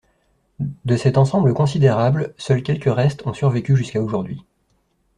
De cet ensemble considérable, seuls quelques restes ont survécu jusqu'à aujourd'hui.